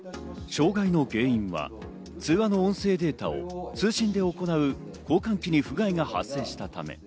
障害の原因は通話の音声データを通信で行う交換機に不具合が発生したため。